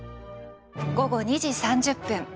午後２時３０分。